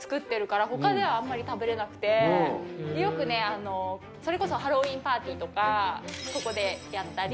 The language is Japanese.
よくねそれこそハロウィーンパーティーとかここでやったり。